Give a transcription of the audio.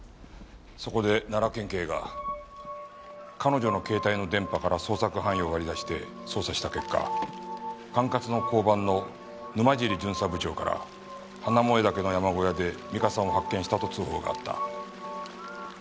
そこで奈良県警が彼女の携帯の電波から捜索範囲を割り出して捜査した結果管轄の交番の沼尻巡査部長から華萌岳の山小屋で美香さんを発見したと通報があった。